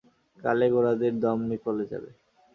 কালে গোঁড়াদের দম নিকলে যাবে।